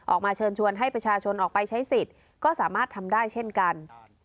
ออกมาเชิญชวนให้ประชาชนออกไปใช้สิทธิ์ก็สามารถทำได้เช่นกัน